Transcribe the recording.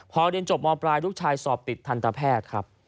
พอเรียนจบมปลายลูกชายสอบติดทันตแพทย์ครับ